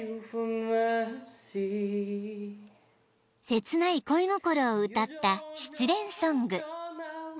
［切ない恋心を歌った失恋ソング］